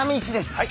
はい。